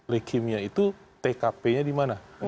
leukemia itu tkp nya di mana